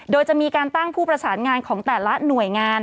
โดยจะมีการตั้งผู้ประสานงานของแต่ละหน่วยงาน